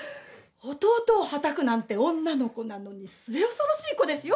弟を叩くなんて女の子なのに末恐ろしい子ですよ